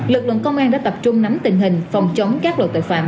lực lượng công an đã tập trung nắm tình hình phòng chống các loại tội phạm